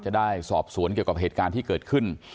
จะได้สอบสวนเกี่ยวกับเหตุการณ์ที่เกิดขึ้น